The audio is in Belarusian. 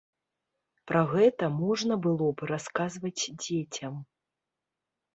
Пра гэта можна было б расказваць дзецям.